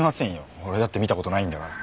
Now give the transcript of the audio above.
俺だって見た事ないんだから。